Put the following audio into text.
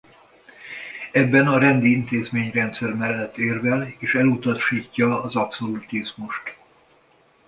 Ebben a rendi intézményrendszer mellett érvel és elutasítja az abszolutizmust.